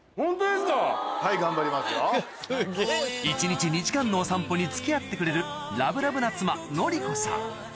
一日２時間のお散歩に付き合ってくれるラブラブな妻典子さん